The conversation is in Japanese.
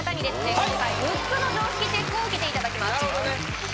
今回６つの常識チェックを受けていただきますなるほどね